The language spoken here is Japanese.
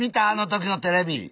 あの時のテレビ。